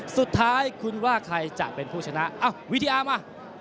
สุดท้ายคุณว่าใครจะเป็นผู้ชนะวิทยามา